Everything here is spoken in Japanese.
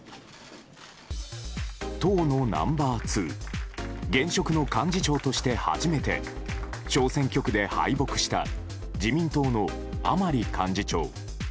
党のナンバーツー現職の幹事長として初めて小選挙区で敗北した自民党の甘利幹事長。